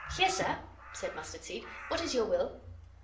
"Here, sir, " said Mustard seed. "What is your will?"